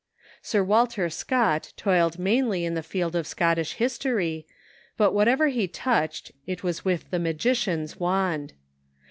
Sir Walter Scott toiled mainly in the field of Scottish history, but whatever he touched it was with the magician's wand.